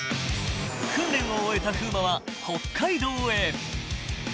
［訓練を終えた風磨は北海道へ］